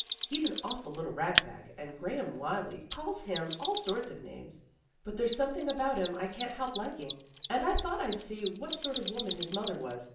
He's an awful little rag bag, and Graham Wylie calls him all sorts of names, but there's some thing about him I can't help liking. And I thought I'd see what sort of woman his mother was.